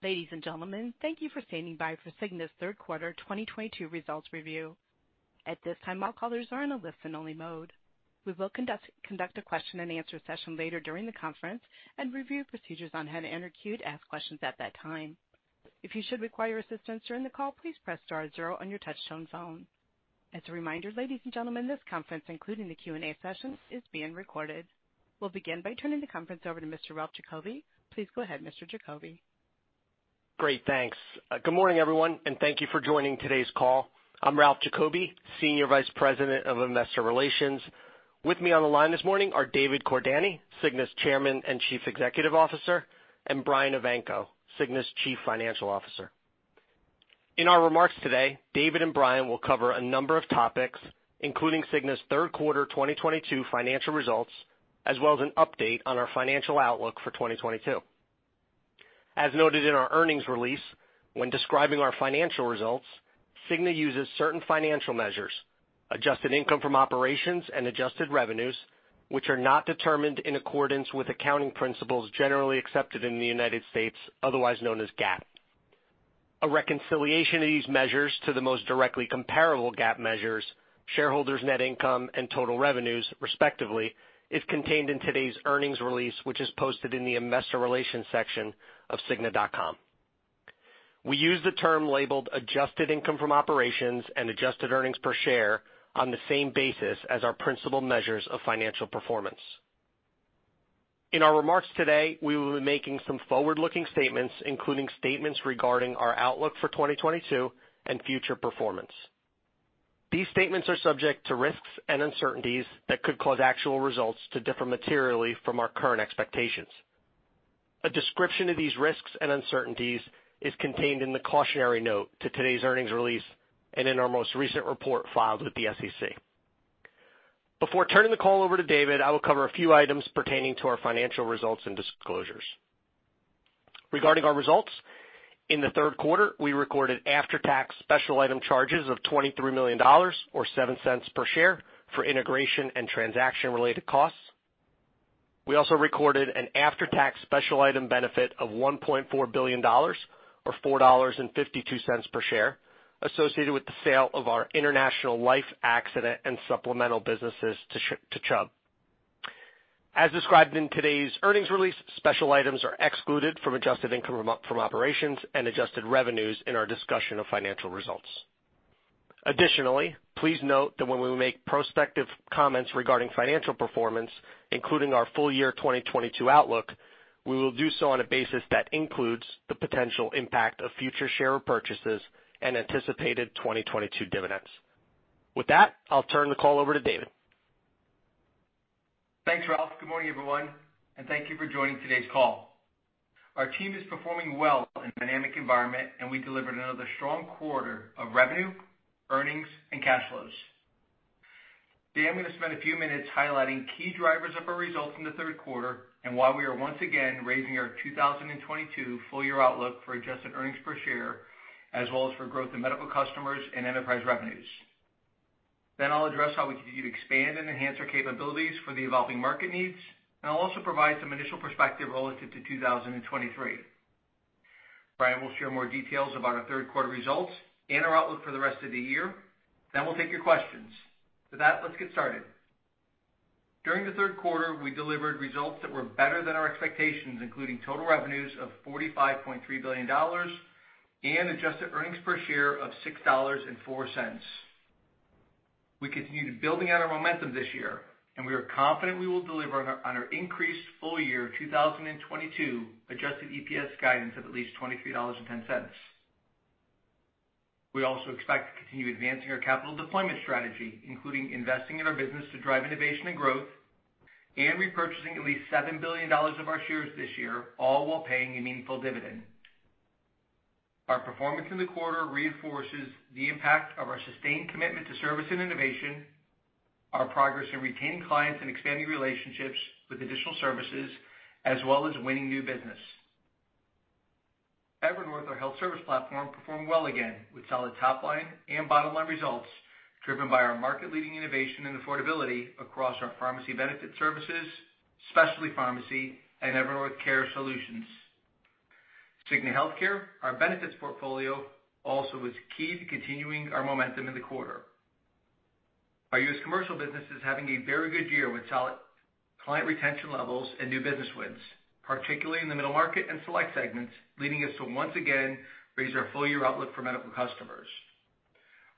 Ladies and gentlemen, thank you for standing by for Cigna's Q3 2022 results review. At this time, all callers are in a listen-only mode. We will conduct a question and answer session later during the conference and review procedures on how to enter queue to ask questions at that time. If you should require assistance during the call, please press star zero on your touchtone phone. As a reminder, ladies and gentlemen, this conference, including the Q&A session, is being recorded. We'll begin by turning the conference over to Mr. Ralph Giacobbe. Please go ahead, Mr. Giacobbe. Great, thanks. Good morning, everyone, and thank you for joining today's call. I'm Ralph Giacobbe, Senior Vice President of Investor Relations. With me on the line this morning are David Cordani, Cigna's Chairman and Chief Executive Officer, and Brian Evanko, Cigna's Chief Financial Officer. In our remarks today, David and Brian will cover a number of topics, including Cigna's Q3 2022 financial results, as well as an update on our financial outlook for 2022. As noted in our Earnings Release, when describing our financial results, Cigna uses certain financial measures, adjusted income from operations and adjusted revenues, which are not determined in accordance with accounting principles generally accepted in the U.S., otherwise known as GAAP. A reconciliation of these measures to the most directly comparable GAAP measures, shareholders' net income and total revenues, respectively, is contained in today's Earnings Release, which is posted in the investor relations section of cigna.com. We use the term labeled adjusted income from operations and adjusted earnings per share on the same basis as our principal measures of financial performance. In our remarks today, we will be making some forward-looking statements, including statements regarding our outlook for 2022 and future performance. These statements are subject to risks and uncertainties that could cause actual results to differ materially from our current expectations. A description of these risks and uncertainties is contained in the cautionary note to today's Earnings Release and in our most recent report filed with the SEC. Before turning the call over to David, I will cover a few items pertaining to our financial results and disclosures. Regarding our results, in the Q3, we recorded after-tax special item charges of $23 million or $0.07 Per share for integration and transaction-related costs. We also recorded an after-tax special item benefit of $1.4 billion or $4.52 per share associated with the sale of our international life, accident, and supplemental businesses to Chubb. As described in today's Earnings Release, special items are excluded from adjusted income from operations and adjusted revenues in our discussion of financial results. Additionally, please note that when we make prospective comments regarding financial performance, including our full year 2022 outlook, we will do so on a basis that includes the potential impact of future share purchases and anticipated 2022 dividends. With that, I'll turn the call over to David. Thanks, Ralph. Good morning, everyone, and thank you for joining today's call. Our team is performing well in a dynamic environment, and we delivered another strong quarter of revenue, earnings, and cash flows. Today, I'm going to spend a few minutes highlighting key drivers of our results in the Q3 and why we are once again raising our 2022 full year outlook for adjusted earnings per share, as well as for growth in medical customers and enterprise revenues. Then I'll address how we continue to expand and enhance our capabilities for the evolving market needs, and I'll also provide some initial perspective relative to 2023. Brian will share more details about our Q3 results and our outlook for the rest of the year. Then we'll take your questions. With that, let's get started. During the Q3, we delivered results that were better than our expectations, including total revenues of $45.3 billion and adjusted earnings per share of $6.04. We continued building out our momentum this year, and we are confident we will deliver on our increased full year 2022 adjusted EPS guidance of at least $23.10. We also expect to continue advancing our capital deployment strategy, including investing in our business to drive innovation and growth and repurchasing at least $7 billion of our shares this year, all while paying a meaningful dividend. Our performance in the quarter reinforces the impact of our sustained commitment to service and innovation, our progress in retaining clients and expanding relationships with additional services, as well as winning new business. Evernorth, our health service platform, performed well again, with solid top line and bottom line results, driven by our market-leading innovation and affordability across our pharmacy benefit services, specialty pharmacy, and Evernorth Care Group. Cigna Healthcare, our benefits portfolio, also was key to continuing our momentum in the quarter. Our U.S. commercial business is having a very good year with solid client retention levels and new business wins, particularly in the middle market and select segments, leading us to once again raise our full year outlook for medical customers.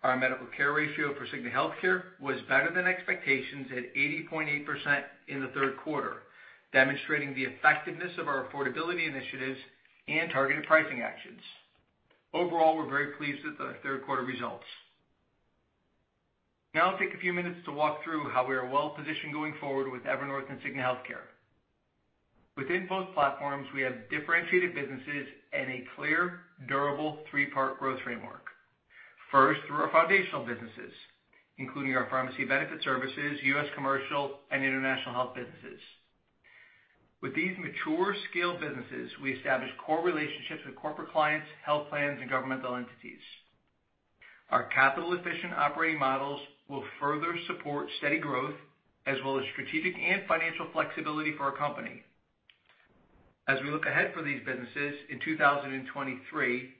Our medical care ratio for Cigna Healthcare was better than expectations at 80.8% in the Q3, demonstrating the effectiveness of our affordability initiatives and targeted pricing actions. Overall, we're very pleased with our Q3 results. Now I'll take a few minutes to walk through how we are well-positioned going forward with Evernorth and Cigna Healthcare. Within both platforms, we have differentiated businesses and a clear, durable three-part growth framework. First, through our foundational businesses, including our pharmacy benefit services, U.S. commercial, and international health businesses. With these mature scale businesses, we establish core relationships with corporate clients, health plans, and governmental entities. Our capital efficient operating models will further support steady growth as well as strategic and financial flexibility for our company. As we look ahead for these businesses in 2023,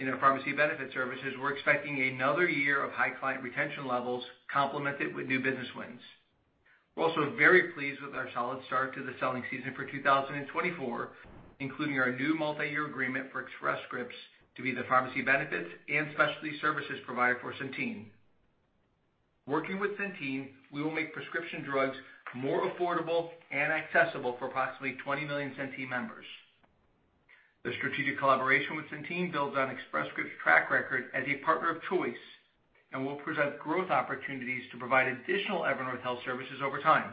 in our pharmacy benefit services, we're expecting another year of high client retention levels complemented with new business wins. We're also very pleased with our solid start to the selling season for 2024, including our new multi-year agreement for Express Scripts to be the pharmacy benefits and specialty services provider for Centene. Working with Centene, we will make prescription drugs more affordable and accessible for approximately 20 million Centene members. The strategic collaboration with Centene builds on Express Scripts' track record as a partner of choice and will present growth opportunities to provide additional Evernorth health services over time.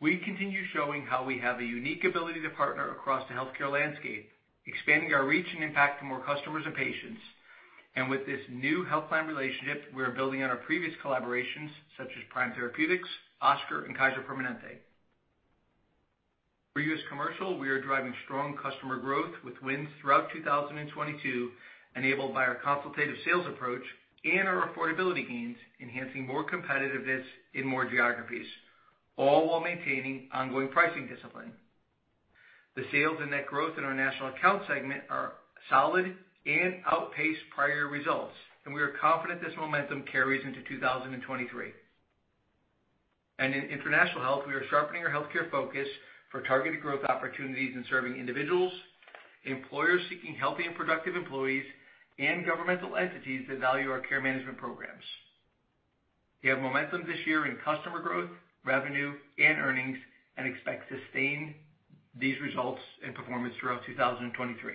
We continue showing how we have a unique ability to partner across the healthcare landscape, expanding our reach and impact to more customers and patients. With this new health plan relationship, we are building on our previous collaborations such as Prime Therapeutics, Oscar, and Kaiser Permanente. For U.S. commercial, we are driving strong customer growth with wins throughout 2022, enabled by our consultative sales approach and our affordability gains, enhancing more competitiveness in more geographies, all while maintaining ongoing pricing discipline. The sales and net growth in our national account segment are solid and outpaced prior results, and we are confident this momentum carries into 2023. In international health, we are sharpening our healthcare focus for targeted growth opportunities in serving individuals, employers seeking healthy and productive employees, and governmental entities that value our care management programs. We have momentum this year in customer growth, revenue and earnings and expect to sustain these results and performance throughout 2023.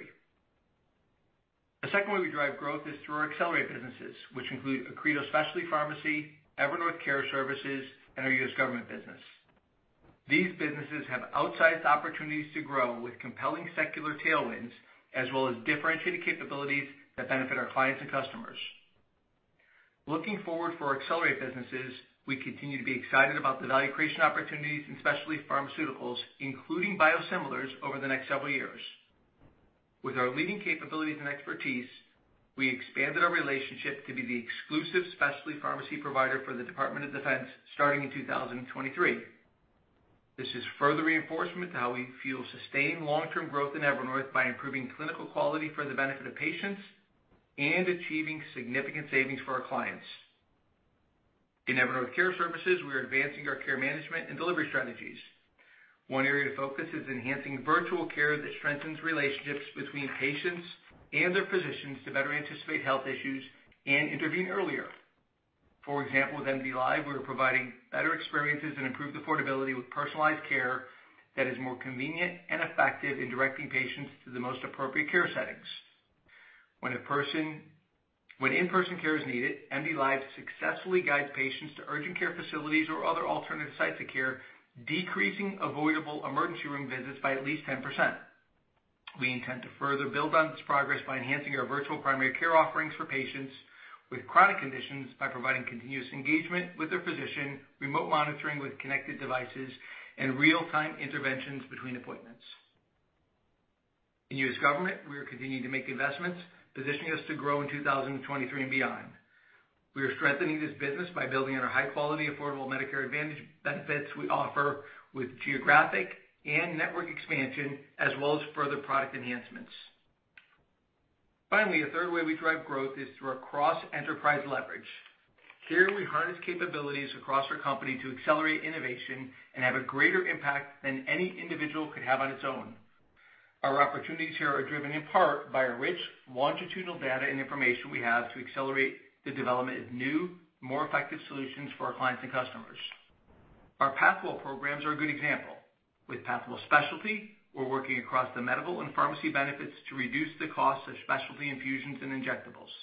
The second way we drive growth is through our accelerate businesses, which include Accredo Specialty Pharmacy, Evernorth Care Group, and our U.S. Government Business. These businesses have outsized opportunities to grow with compelling secular tailwinds as well as differentiated capabilities that benefit our clients and customers. Looking forward to our accelerate businesses, we continue to be excited about the value creation opportunities in specialty pharmaceuticals, including biosimilars over the next several years. With our leading capabilities and expertise, we expanded our relationship to be the exclusive specialty pharmacy provider for the Department of Defense starting in 2023. This is further reinforcement to how we fuel sustained long-term growth in Evernorth by improving clinical quality for the benefit of patients and achieving significant savings for our clients. In Evernorth Care Group, we are advancing our care management and delivery strategies. One area of focus is enhancing virtual care that strengthens relationships between patients and their physicians to better anticipate health issues and intervene earlier. For example, with MDLIVE, we're providing better experiences and improved affordability with personalized care that is more convenient and effective in directing patients to the most appropriate care settings. When in-person care is needed, MDLIVE successfully guides patients to urgent care facilities or other alternative sites of care, decreasing avoidable emergency room visits by at least 10%. We intend to further build on this progress by enhancing our virtual primary care offerings for patients with chronic conditions by providing continuous engagement with their physician, remote monitoring with connected devices, and real-time interventions between appointments. In U.S. government, we are continuing to make investments, positioning us to grow in 2023 and beyond. We are strengthening this business by building on our high quality, affordable Medicare Advantage benefits we offer with geographic and network expansion, as well as further product enhancements. Finally, a third way we drive growth is through our cross-enterprise leverage. Here we harness capabilities across our company to accelerate innovation and have a greater impact than any individual could have on its own. Our opportunities here are driven in part by our rich longitudinal data and information we have to accelerate the development of new, more effective solutions for our clients and customers. Our Pathwell programs are a good example. With Pathwell Specialty, we're working across the medical and pharmacy benefits to reduce the cost of specialty infusions and injectables.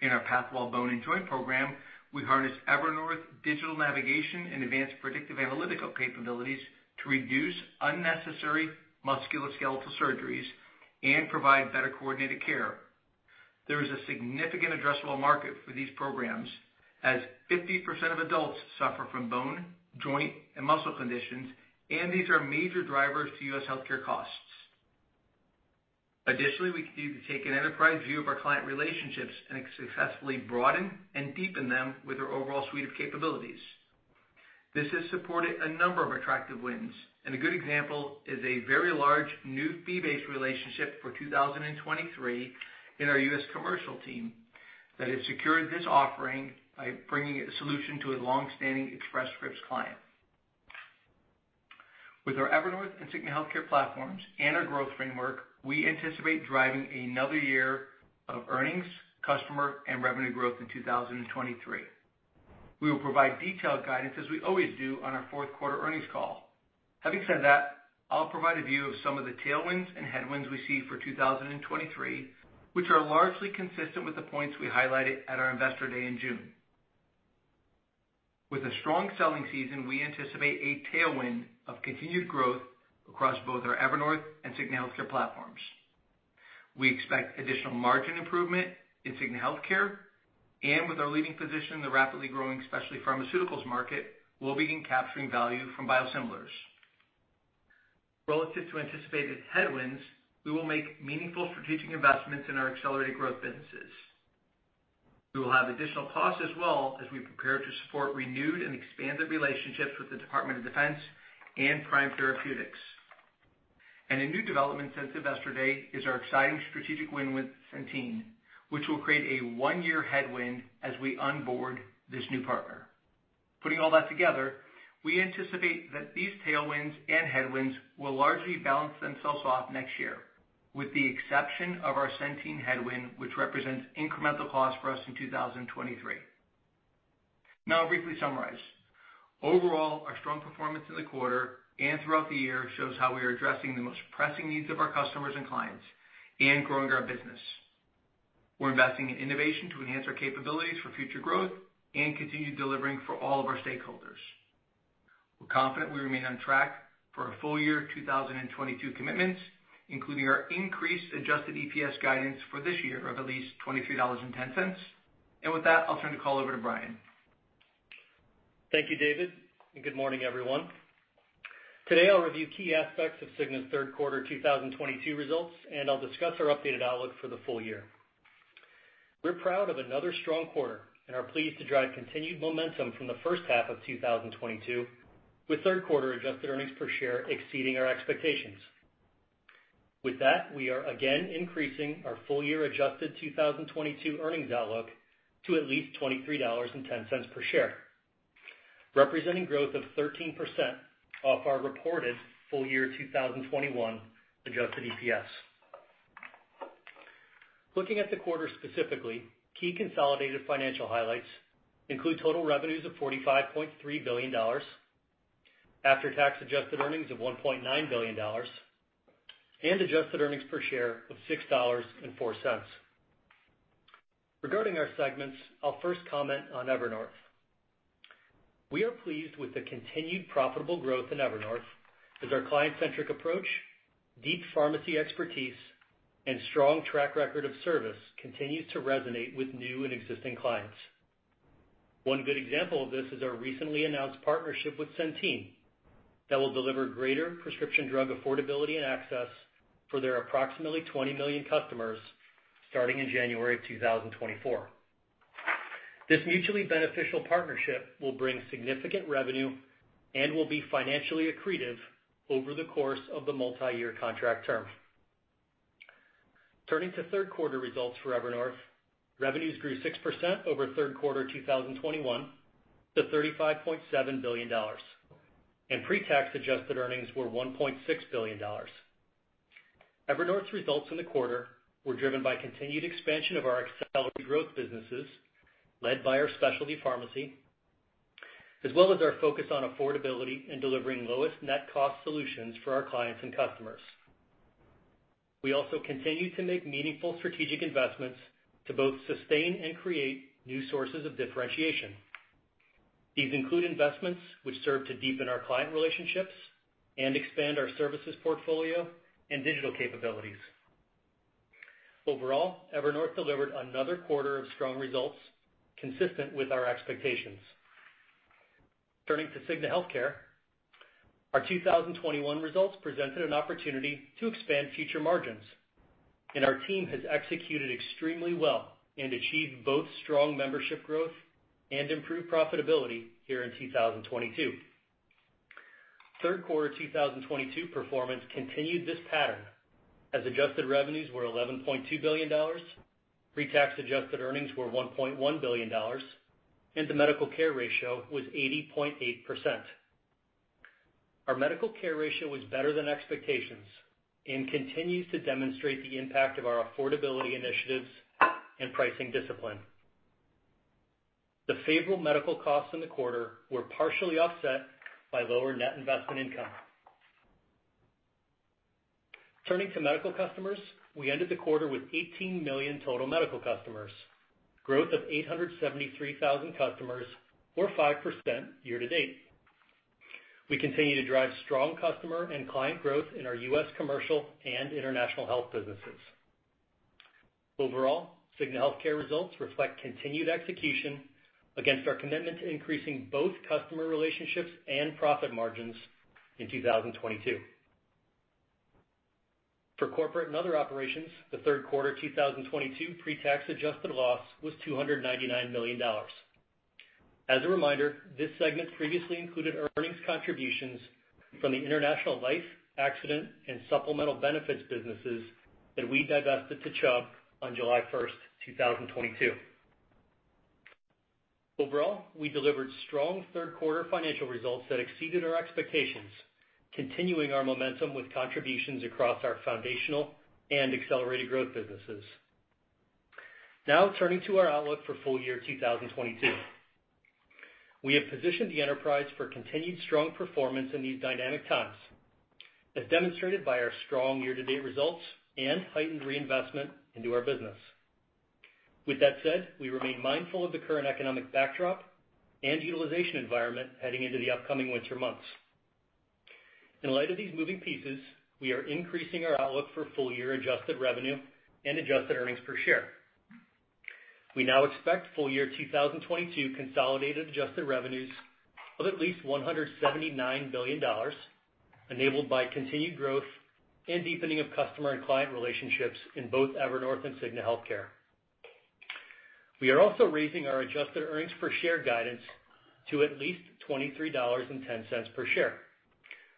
In our Pathwell Bone & Joint program, we harness Evernorth digital navigation and advanced predictive analytical capabilities to reduce unnecessary musculoskeletal surgeries and provide better coordinated care. There is a significant addressable market for these programs as 50% of adults suffer from bone, joint, and muscle conditions, and these are major drivers to U.S. healthcare costs. Additionally, we continue to take an enterprise view of our client relationships and successfully broaden and deepen them with our overall suite of capabilities. This has supported a number of attractive wins, and a good example is a very large new fee-based relationship for 2023 in our U.S. commercial team that has secured this offering by bringing a solution to a long-standing Express Scripts client. With our Evernorth and Cigna Healthcare platforms and our growth framework, we anticipate driving another year of earnings, customer, and revenue growth in 2023. We will provide detailed guidance as we always do on our Q4 Earnings Call. Having said that, I'll provide a view of some of the tailwinds and headwinds we see for 2023, which are largely consistent with the points we highlighted at our Investor Day in June. With a strong selling season, we anticipate a tailwind of continued growth across both our Evernorth and Cigna Healthcare platforms. We expect additional margin improvement in Cigna Healthcare and with our leading position in the rapidly growing specialty pharmaceuticals market, we'll begin capturing value from biosimilars. Relative to anticipated headwinds, we will make meaningful strategic investments in our accelerated growth businesses. We will have additional costs as well as we prepare to support renewed and expanded relationships with the Department of Defense and Prime Therapeutics. A new development since Investor Day is our exciting strategic win with Centene, which will create a one-year headwind as we onboard this new partner. Putting all that together, we anticipate that these tailwinds and headwinds will largely balance themselves off next year, with the exception of our Centene headwind, which represents incremental cost for us in 2023. Now I'll briefly summarize. Overall, our strong performance in the quarter and throughout the year shows how we are addressing the most pressing needs of our customers and clients and growing our business. We're investing in innovation to enhance our capabilities for future growth and continue delivering for all of our stakeholders. We're confident we remain on track for our full year 2022 commitments, including our increased adjusted EPS guidance for this year of at least $23.10. With that, I'll turn the call over to Brian. Thank you, David, and good morning, everyone. Today, I'll review key aspects of Cigna's Q3 2022 results, and I'll discuss our updated outlook for the full year. We're proud of another strong quarter and are pleased to drive continued momentum from the first half of 2022, with Q3 adjusted earnings per share exceeding our expectations. With that, we are again increasing our full year adjusted 2022 earnings outlook to at least $23.10 per share, representing growth of 13% off our reported full year 2021 adjusted EPS. Looking at the quarter specifically, key consolidated financial highlights include total revenues of $45.3 billion, after-tax adjusted earnings of $1.9 billion, and adjusted earnings per share of $6.04. Regarding our segments, I'll first comment on Evernorth. We are pleased with the continued profitable growth in Evernorth as our client-centric approach, deep pharmacy expertise, and strong track record of service continues to resonate with new and existing clients. One good example of this is our recently announced partnership with Centene that will deliver greater prescription drug affordability and access for their approximately 20 million customers starting in January 2024. This mutually beneficial partnership will bring significant revenue and will be financially accretive over the course of the multiyear contract term. Turning to Q3 results for Evernorth. Revenues grew 6% over Q3 2021 to $35.7 billion, and pre-tax adjusted earnings were $1.6 billion. Evernorth's results in the quarter were driven by continued expansion of our accelerated growth businesses, led by our specialty pharmacy, as well as our focus on affordability and delivering lowest net cost solutions for our clients and customers. We also continue to make meaningful strategic investments to both sustain and create new sources of differentiation. These include investments which serve to deepen our client relationships and expand our services portfolio and digital capabilities. Overall, Evernorth delivered another quarter of strong results consistent with our expectations. Turning to Cigna Healthcare. Our 2021 results presented an opportunity to expand future margins, and our team has executed extremely well and achieved both strong membership growth and improved profitability here in 2022. Q3 2022 performance continued this pattern as adjusted revenues were $11.2 billion, pre-tax adjusted earnings were $1.1 billion, and the medical care ratio was 80.8%. Our medical care ratio was better than expectations and continues to demonstrate the impact of our affordability initiatives and pricing discipline. The favorable medical costs in the quarter were partially offset by lower net investment income. Turning to medical customers. We ended the quarter with 18 million total medical customers, growth of 873,000 customers or 5% year to date. We continue to drive strong customer and client growth in our U.S. commercial and international health businesses. Overall, Cigna Healthcare results reflect continued execution against our commitment to increasing both customer relationships and profit margins in 2022. For corporate and other operations, the Q3 2022 pre-tax adjusted loss was $299 million. As a reminder, this segment previously included earnings contributions from the international life, accident, and supplemental benefits businesses that we divested to Chubb on 1 July 2022. Overall, we delivered strong Q3 financial results that exceeded our expectations, continuing our momentum with contributions across our foundational and accelerated growth businesses. Now turning to our outlook for full year 2022. We have positioned the enterprise for continued strong performance in these dynamic times, as demonstrated by our strong year-to-date results and heightened reinvestment into our business. With that said, we remain mindful of the current economic backdrop and utilization environment heading into the upcoming winter months. In light of these moving pieces, we are increasing our outlook for full year adjusted revenue and adjusted earnings per share. We now expect full year 2022 consolidated adjusted revenues of at least $179 billion, enabled by continued growth and deepening of customer and client relationships in both Evernorth and Cigna Healthcare. We are also raising our adjusted earnings per share guidance to at least $23.10 per share,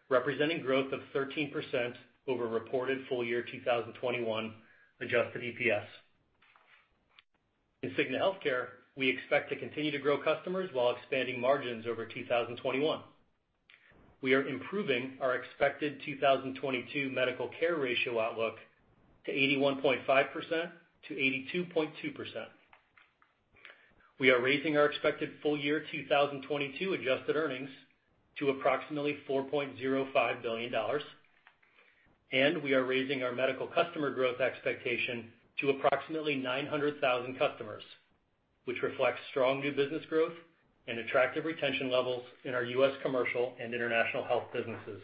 representing growth of 13% over reported full year 2021 adjusted EPS. In Cigna Healthcare, we expect to continue to grow customers while expanding margins over 2021. We are improving our expected 2022 medical care ratio outlook to 81.5%-82.2%. We are raising our expected full year 2022 adjusted earnings to approximately $4.05 billion, and we are raising our medical customer growth expectation to approximately 900,000 customers, which reflects strong new business growth and attractive retention levels in our U.S. commercial and international health businesses.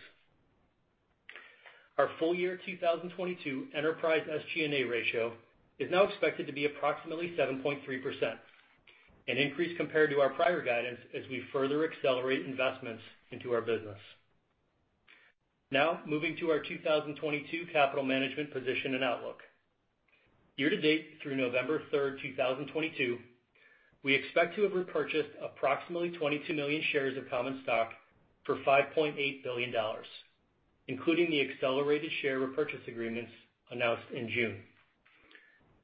Our full year 2022 enterprise SG&A ratio is now expected to be approximately 7.3%, an increase compared to our prior guidance as we further accelerate investments into our business. Now moving to our 2022 capital management position and outlook. Year to date through 3 November 2022, we expect to have repurchased approximately 22 million shares of common stock for $5.8 billion, including the accelerated share repurchase agreements announced in June.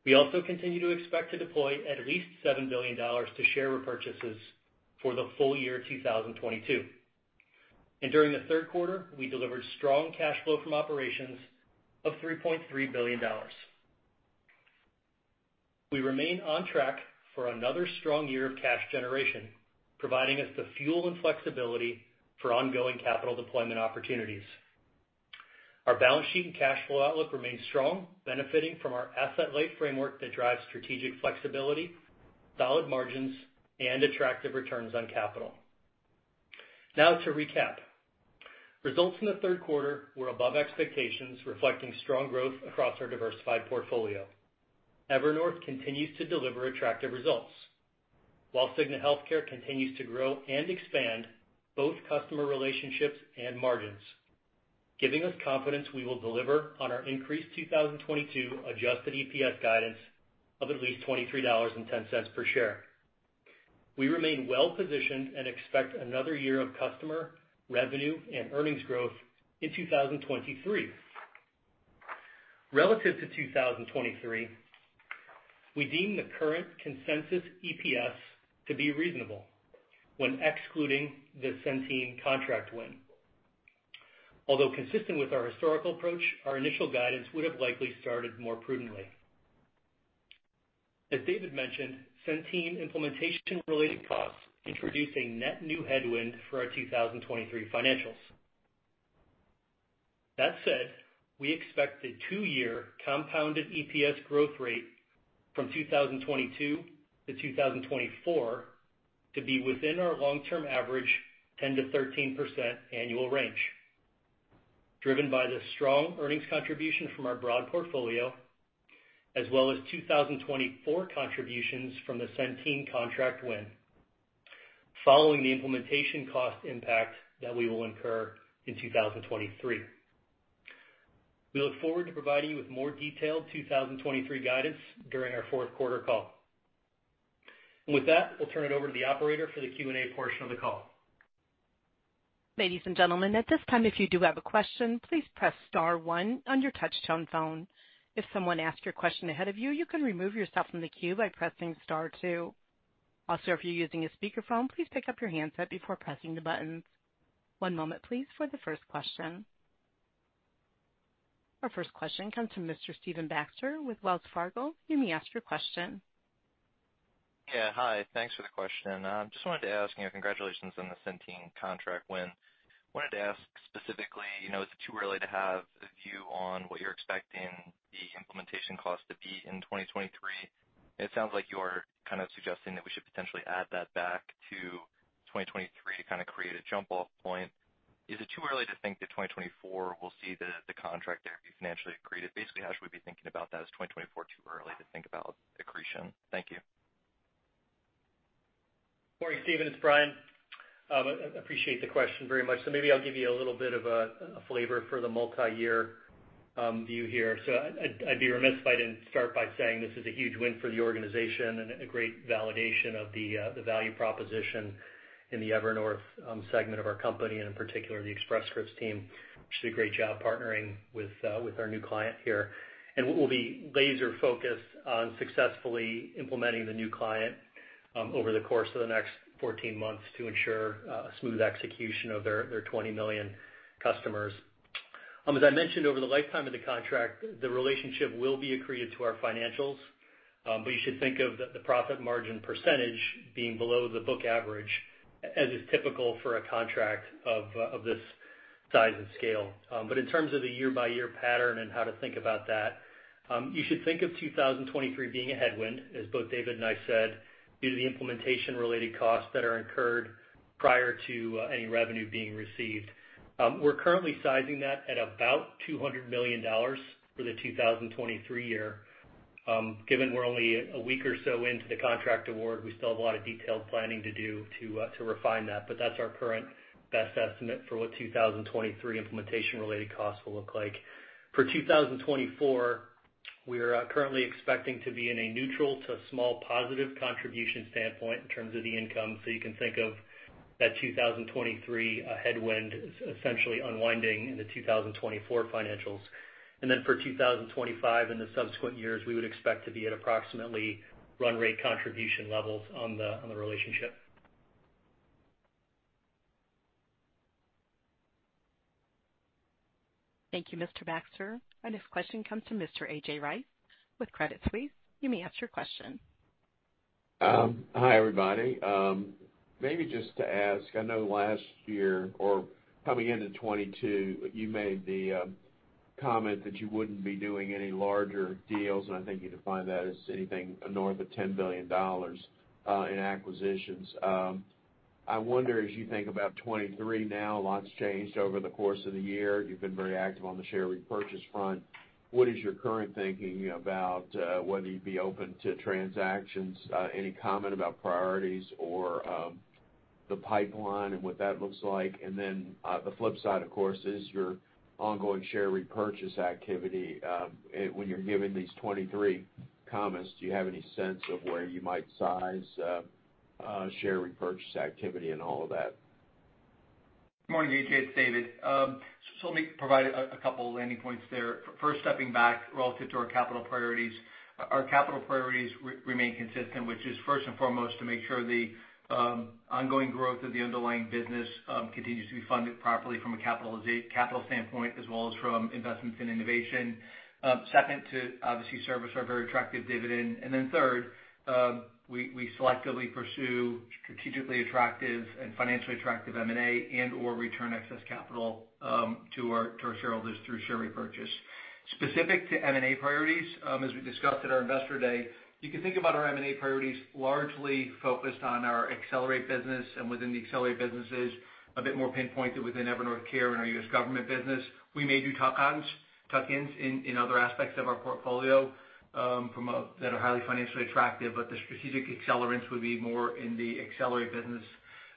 We also continue to expect to deploy at least $7 billion to share repurchases for the full year 2022. During the Q3, we delivered strong cash flow from operations of $3.3 billion. We remain on track for another strong year of cash generation, providing us the fuel and flexibility for ongoing capital deployment opportunities. Our balance sheet and cash flow outlook remains strong, benefiting from our asset-light framework that drives strategic flexibility, solid margins, and attractive returns on capital. Now to recap, results in the Q3 were above expectations, reflecting strong growth across our diversified portfolio. Evernorth continues to deliver attractive results, while Cigna Healthcare continues to grow and expand both customer relationships and margins, giving us confidence we will deliver on our increased 2022 adjusted EPS guidance of at least $23.10 per share. We remain well-positioned and expect another year of customer revenue and earnings growth in 2023. Relative to 2023, we deem the current consensus EPS to be reasonable when excluding the Centene contract win. Although consistent with our historical approach, our initial guidance would have likely started more prudently. As David mentioned, Centene implementation-related costs introduce a net new headwind for our 2023 financials. That said, we expect a two-year compounded EPS growth rate from 2022 to 2024 to be within our long-term average 10%-13% annual range, driven by the strong earnings contribution from our broad portfolio, as well as 2024 contributions from the Centene contract win following the implementation cost impact that we will incur in 2023. We look forward to providing you with more detailed 2023 guidance during our Q4 call. With that, we'll turn it over to the operator for the Q&A portion of the call. Ladies and gentlemen, at this time, if you do have a question, please press star one on your touchtone phone. If someone asks your question ahead of you can remove yourself from the queue by pressing star two. Also, if you're using a speakerphone, please pick up your handset before pressing the buttons. One moment please for the first question. Our first question comes from Mr. Stephen Baxter with Wells Fargo. You may ask your question. Yeah, hi. Thanks for the question. Just wanted to ask, you know, congratulations on the Centene contract win. Wanted to ask specifically, you know, is it too early to have a view on what you're expecting the implementation cost to be in 2023? It sounds like you're kind of suggesting that we should potentially add that back to 2023 to kinda create a jump-off point. Is it too early to think that 2024 will see the contract there be financially accretive? Basically, how should we be thinking about that? Is 2024 too early to think about accretion? Thank you. Morning, Steven. It's Brian. Appreciate the question very much. Maybe I'll give you a little bit of a flavor for the multiyear view here. I'd be remiss if I didn't start by saying this is a huge win for the organization and a great validation of the value proposition in the Evernorth segment of our company, and in particular, the Express Scripts team, which did a great job partnering with our new client here. We'll be laser focused on successfully implementing the new client over the course of the next 14 months to ensure smooth execution of their 20 million customers. As I mentioned, over the lifetime of the contract, the relationship will be accretive to our financials, but you should think of the profit margin percentage being below the book average, as is typical for a contract of this size and scale. In terms of the year-by-year pattern and how to think about that, you should think of 2023 being a headwind, as both David and I said. Due to the implementation-related costs that are incurred prior to any revenue being received. We're currently sizing that at about $200 million for the 2023 year. Given we're only a week or so into the contract award, we still have a lot of detailed planning to do to refine that. That's our current best estimate for what 2023 implementation-related costs will look like. For 2024, we are currently expecting to be in a neutral to small positive contribution standpoint in terms of the income. You can think of that 2023 headwind essentially unwinding in the 2024 financials. For 2025 and the subsequent years, we would expect to be at approximately run rate contribution levels on the relationship. Thank you, Mr. Baxter. Our next question comes from Mr. A.J. Rice with Credit Suisse. You may ask your question. Hi, everybody. Maybe just to ask, I know last year or coming into 2022, you made the comment that you wouldn't be doing any larger deals, and I think you defined that as anything north of $10 billion in acquisitions. I wonder, as you think about 2023 now, a lot's changed over the course of the year. You've been very active on the share repurchase front. What is your current thinking about whether you'd be open to transactions? Any comment about priorities or the pipeline and what that looks like? The flip side, of course, is your ongoing share repurchase activity. When you're giving these 2023 comments, do you have any sense of where you might size share repurchase activity in all of that? Good morning, A.J., it's David Cordani. Let me provide a couple landing points there. First, stepping back relative to our capital priorities. Our capital priorities remain consistent, which is first and foremost to make sure the ongoing growth of the underlying business continues to be funded properly from a capital standpoint as well as from investments in innovation. Second, to obviously service our very attractive dividend. Third, we selectively pursue strategically attractive and financially attractive M&A and/or return excess capital to our shareholders through share repurchase. Specific to M&A priorities, as we discussed at our Investor Day, you can think about our M&A priorities largely focused on our Evernorth business and within the Evernorth businesses, a bit more pinpointed within Evernorth Care and our U.S. government business. We may do tuck-ons, tuck-ins in other aspects of our portfolio that are highly financially attractive, but the strategic accelerants would be more in the accelerate business.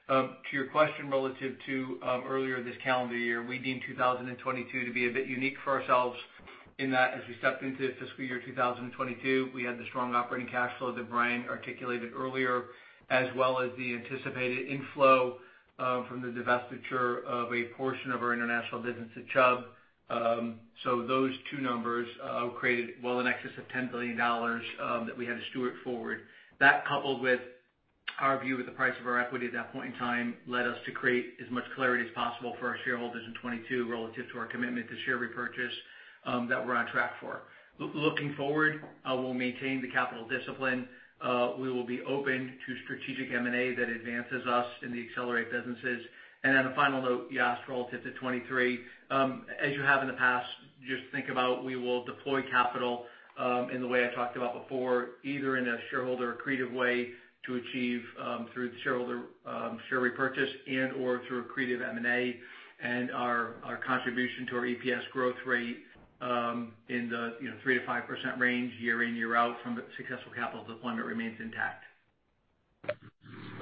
To your question relative to earlier this calendar year, we deemed 2022 to be a bit unique for ourselves in that as we stepped into fiscal year 2022, we had the strong operating cash flow that Brian articulated earlier, as well as the anticipated inflow from the divestiture of a portion of our international business to Chubb. Those two numbers created well in excess of $10 billion that we had to steward forward. That, coupled with our view of the price of our equity at that point in time, led us to create as much clarity as possible for our shareholders in 2022 relative to our commitment to share repurchase that we're on track for. Looking forward, we'll maintain the capital discipline. We will be open to strategic M&A that advances us in the accelerate businesses. Then a final note, you asked relative to 2023. As you have in the past, just think about we will deploy capital in the way I talked about before, either in a shareholder accretive way to achieve through the shareholder share repurchase and/or through accretive M&A. Our contribution to our EPS growth rate in the you know 3%-5% range year in, year out from the successful capital deployment remains intact.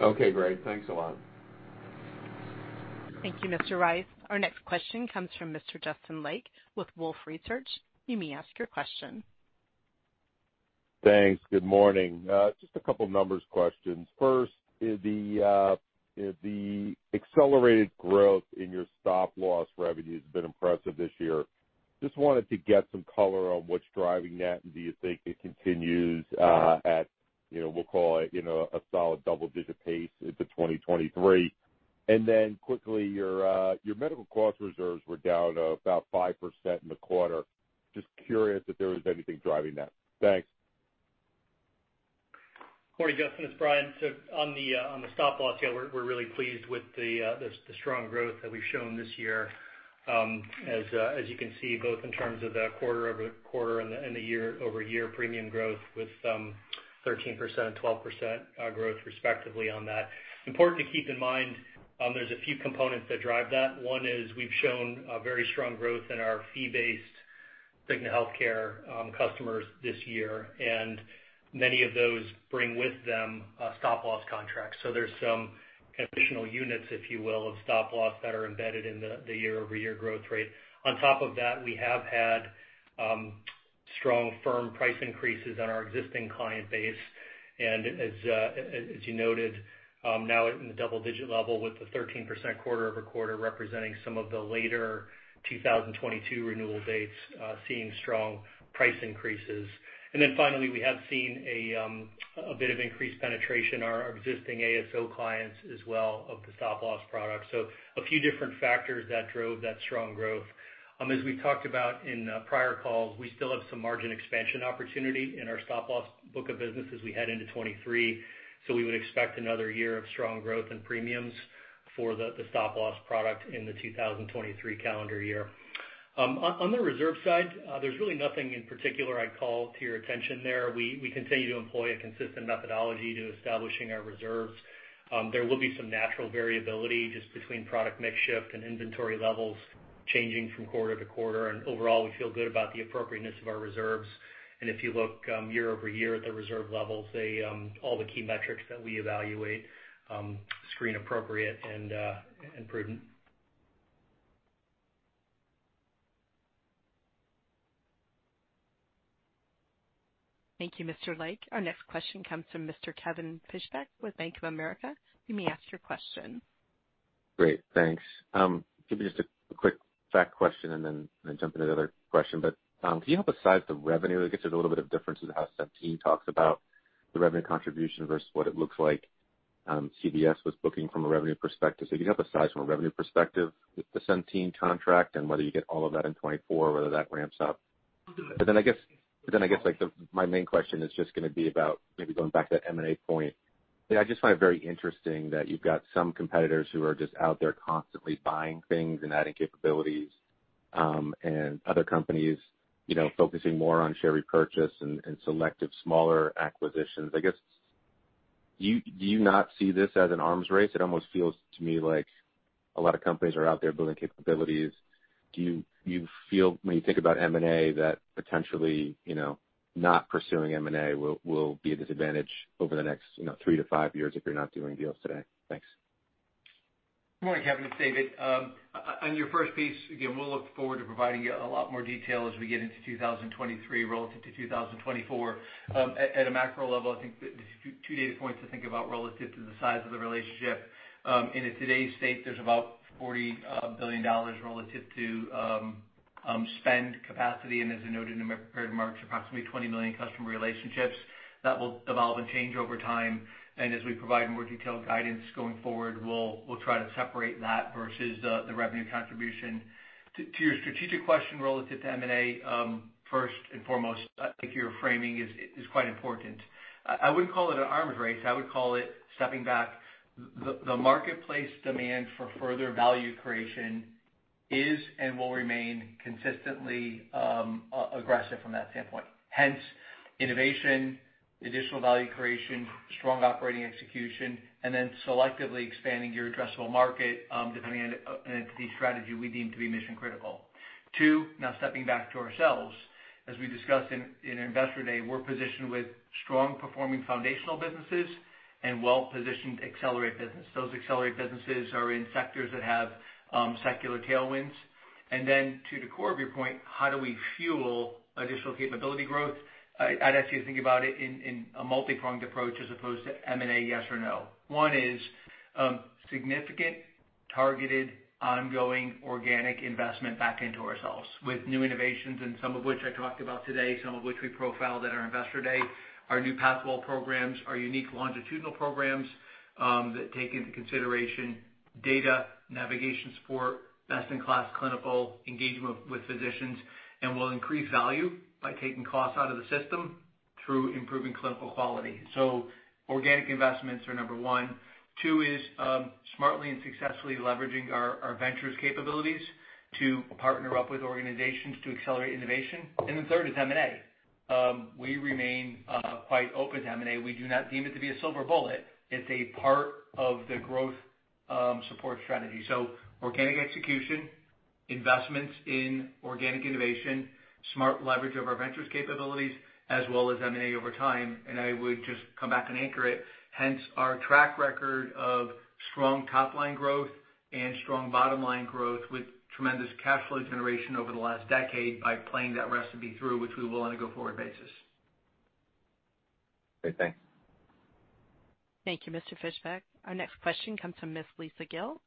Okay, great. Thanks a lot. Thank you, Mr. Rice. Our next question comes from Mr. Justin Lake with Wolfe Research. You may ask your question. Thanks. Good morning. Just a couple number questions. First, the accelerated growth in your stop-loss revenue has been impressive this year. Just wanted to get some color on what's driving that, and do you think it continues at, you know, we'll call it, you know, a solid double-digit pace into 2023? Then quickly, your medical cost reserves were down about 5% in the quarter. Just curious if there was anything driving that. Thanks. Morning, Justin, it's Brian. On the stop-loss, yeah, we're really pleased with the strong growth that we've shown this year, as you can see, both in terms of the quarter-over-quarter and the year-over-year premium growth with 13% and 12% growth respectively on that. Important to keep in mind, there's a few components that drive that. One is we've shown a very strong growth in our fee-based Cigna Healthcare customers this year, and many of those bring with them stop-loss contracts. There's some additional units, if you will, of stop-loss that are embedded in the year-over-year growth rate. On top of that, we have had strong firm price increases on our existing client base. As you noted, now in the double-digit level with the 13% quarter over quarter representing some of the later 2022 renewal dates, seeing strong price increases. We have seen a bit of increased penetration in our existing ASO clients as well of the stop-loss product. A few different factors that drove that strong growth. As we talked about in prior calls, we still have some margin expansion opportunity in our stop-loss book of business as we head into 2023. We would expect another year of strong growth in premiums for the stop-loss product in the 2023 calendar year. On the reserve side, there's really nothing in particular I'd call to your attention there. We continue to employ a consistent methodology to establishing our reserves. There will be some natural variability just between product mix shift and inventory levels changing from quarter to quarter. Overall, we feel good about the appropriateness of our reserves. If you look year-over-year at the reserve levels, they all the key metrics that we evaluate seem appropriate and prudent. Thank you, Mr. Lake. Our next question comes from Mr. Kevin Fischbeck with Bank of America. You may ask your question. Great, thanks. Give you just a quick fact question and then jump into the other question. Can you help us size the revenue? It gets a little bit of difference in how Centene talks about the revenue contribution versus what it looks like, CVS was booking from a revenue perspective. Can you help us size from a revenue perspective with the Centene contract and whether you get all of that in 2024, whether that ramps up? We'll do it. I guess, like, my main question is just gonna be about maybe going back to that M&A point. I just find it very interesting that you've got some competitors who are just out there constantly buying things and adding capabilities, and other companies, you know, focusing more on share repurchase and selective smaller acquisitions. I guess, do you not see this as an arms race? It almost feels to me like a lot of companies are out there building capabilities. Do you feel when you think about M&A that potentially, you know, not pursuing M&A will be a disadvantage over the next, you know, three to five years if you're not doing deals today? Thanks. Morning, Kevin, it's David. On your first piece, again, we'll look forward to providing you a lot more detail as we get into 2023 relative to 2024. At a macro level, I think there's two data points to think about relative to the size of the relationship. At today's state, there's about $40 billion relative to spend capacity, and as I noted in my prepared remarks, approximately 20 million customer relationships. That will evolve and change over time. As we provide more detailed guidance going forward, we'll try to separate that versus the revenue contribution. To your strategic question relative to M&A, first and foremost, I think your framing is quite important. I wouldn't call it an arms race. I would call it stepping back. The marketplace demand for further value creation is and will remain consistently aggressive from that standpoint. Hence innovation, additional value creation, strong operating execution, and then selectively expanding your addressable market, depending on the strategy we deem to be mission critical. Two, now stepping back to ourselves, as we discussed in Investor Day, we're positioned with strong performing foundational businesses and well-positioned accelerate business. Those accelerate businesses are in sectors that have secular tailwinds. Then to the core of your point, how do we fuel additional capability growth? I'd ask you to think about it in a multi-pronged approach as opposed to M&A yes or no. One is significant targeted ongoing organic investment back into ourselves with new innovations, and some of which I talked about today, some of which we profiled at our Investor Day. Our new Pathwell programs, our unique longitudinal programs, that take into consideration data, navigation support, best-in-class clinical engagement with physicians, and will increase value by taking costs out of the system through improving clinical quality. Organic investments are number one. Two is smartly and successfully leveraging our ventures capabilities to partner up with organizations to accelerate innovation. The third is M&A. We remain quite open to M&A. We do not deem it to be a silver bullet. It's a part of the growth support strategy. Organic execution, investments in organic innovation, smart leverage of our ventures capabilities, as well as M&A over time, and I would just come back and anchor it. Hence, our track record of strong top-line growth and strong bottom-line growth with tremendous cash flow generation over the last decade by playing that recipe through which we will on a go-forward basis. Great. Thanks. Thank you, Mr. Fischbeck. Our next question comes from Miss Lisa Gill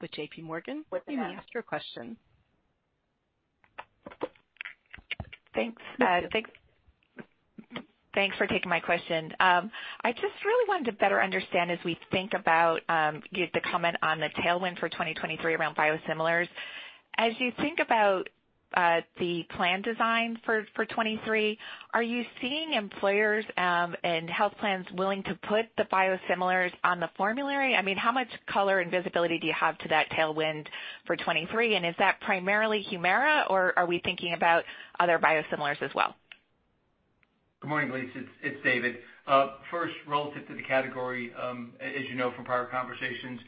with J.P. Morgan. You may ask your question. Thanks. Thanks for taking my question. I just really wanted to better understand as we think about, you know, the comment on the tailwind for 2023 around biosimilars. As you think about the plan design for 2023, are you seeing employers and health plans willing to put the biosimilars on the formulary? I mean, how much color and visibility do you have to that tailwind for 2023? And is that primarily Humira, or are we thinking about other biosimilars as well? Good morning, Lisa. It's David. First, relative to the category, as you know from prior conversations,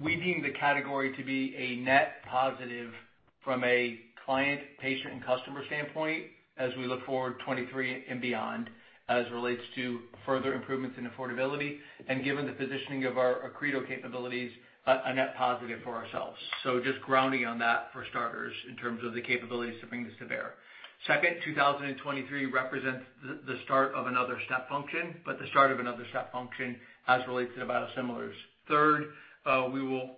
we deem the category to be a net positive from a client, patient, and customer standpoint as we look forward 2023 and beyond, as relates to further improvements in affordability, and given the positioning of our Accredo capabilities, a net positive for ourselves. Just grounding on that for starters in terms of the capabilities to bring this to bear. Second, 2023 represents the start of another step function as it relates to the biosimilars. Third, we will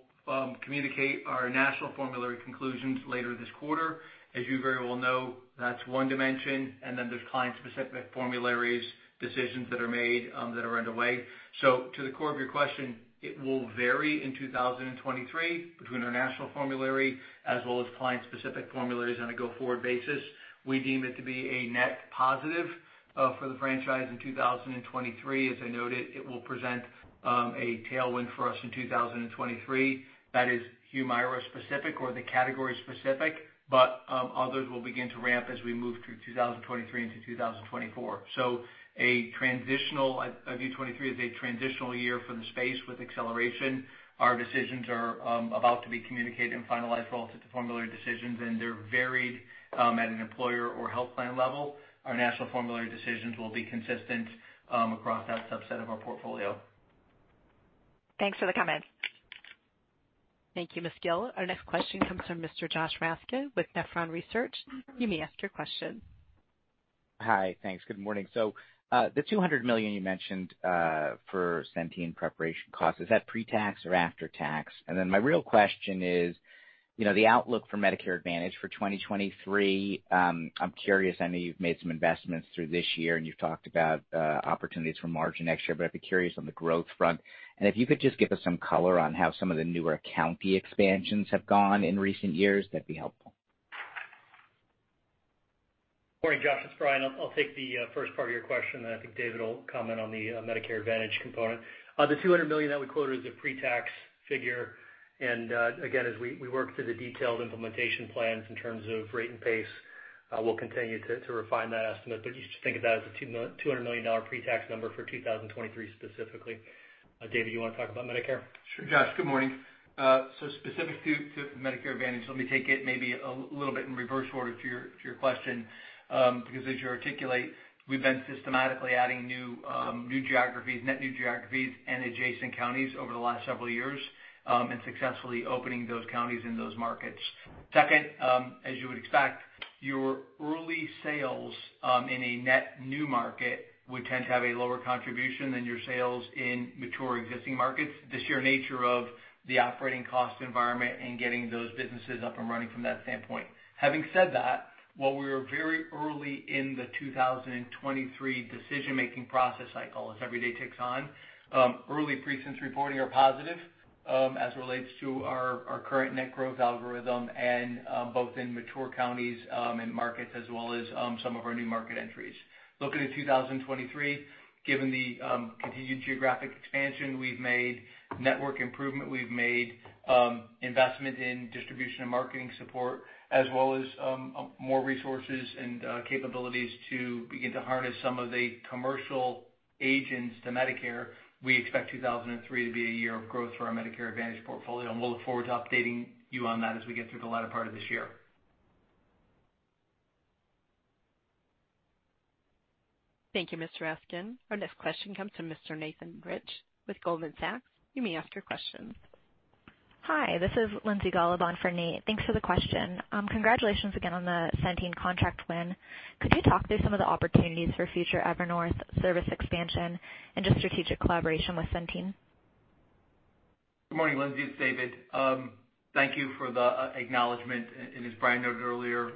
communicate our national formulary conclusions later this quarter. As you very well know, that's one dimension, and then there's client-specific formulary decisions that are made, that are underway. To the core of your question, it will vary in 2023 between our national formulary as well as client-specific formularies on a go-forward basis. We deem it to be a net positive for the franchise in 2023. As I noted, it will present a tailwind for us in 2023. That is Humira specific or the category specific, but others will begin to ramp as we move through 2023 into 2024. I view 2023 as a transitional year for the space with acceleration. Our decisions are about to be communicated and finalized relative to formulary decisions, and they're varied at an employer or health plan level. Our national formulary decisions will be consistent across that subset of our portfolio. Thanks for the comment. Thank you, Ms. Gill. Our next question comes from Mr. Joshua Raskin with Nephron Research. You may ask your question. Hi. Thanks. Good morning. The $200 million you mentioned for Centene preparation costs, is that pre-tax or after-tax? Then my real question is, you know, the outlook for Medicare Advantage for 2023, I'm curious, I know you've made some investments through this year, and you've talked about opportunities for margin next year, but I'd be curious on the growth front. If you could just give us some color on how some of the newer county expansions have gone in recent years, that'd be helpful. Morning, Josh, it's Brian. I'll take the first part of your question, and I think David will comment on the Medicare Advantage component. The $200 million that we quoted is a pre-tax figure, and again, as we work through the detailed implementation plans in terms of rate and pace, we'll continue to refine that estimate. You should think of that as a $200 million pre-tax number for 2023 specifically. David, you wanna talk about Medicare? Sure. Josh, good morning. So specific to Medicare Advantage, let me take it maybe a little bit in reverse order to your question, because as you articulate, we've been systematically adding new geographies, net new geographies and adjacent counties over the last several years, and successfully opening those counties in those markets. Second, as you would expect, your early sales in a net new market would tend to have a lower contribution than your sales in mature existing markets. The sheer nature of the operating cost environment and getting those businesses up and running from that standpoint. Having said that, while we were very early in the 2023 decision-making process cycle, as every day ticks on, early precincts reporting are positive, as it relates to our current net growth algorithm and both in mature counties and markets as well as some of our new market entries. Looking at 2023, given the continued geographic expansion we've made, network improvement we've made, investment in distribution and marketing support, as well as more resources and capabilities to begin to harness some of the commercial agents to Medicare, we expect 2023 to be a year of growth for our Medicare Advantage portfolio, and we'll look forward to updating you on that as we get through the latter part of this year. Thank you, Mr. Raskin. Our next question comes from Mr. Nathan Rich with Goldman Sachs. You may ask your questions. Hi, this is Lindsay Golub on for Nathan Rich. Thanks for the question. Congratulations again on the Centene contract win. Could you talk through some of the opportunities for future Evernorth service expansion and just strategic collaboration with Centene? Good morning, Lindsay, it's David. Thank you for the acknowledgement. As Brian noted earlier,